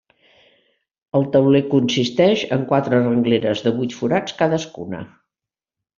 El tauler consisteix en quatre rengleres de vuit forats cadascuna.